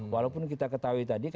walaupun kita ketahui tadi